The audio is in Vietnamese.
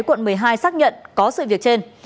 quận một mươi hai xác nhận có sự việc trên